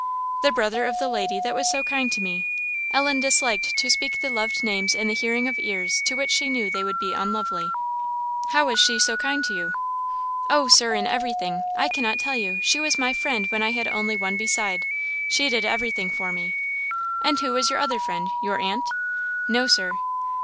"The brother of the lady that was so kind to me." Ellen disliked to speak the loved names in the hearing of ears to which she knew they would be unlovely. "How was she so kind to you?" "Oh, Sir! in everything I cannot tell you; she was my friend when I had only one beside; she did everything for me." "And who was the other friend? your aunt?" "No, Sir."